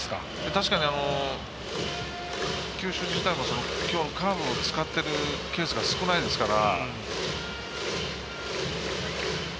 確かに球種自体もカーブを使っているケースが少ないですから。